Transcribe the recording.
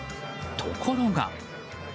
ところが。